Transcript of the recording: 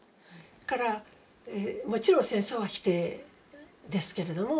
だからもちろん戦争は否定ですけれども。